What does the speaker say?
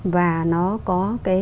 và nó có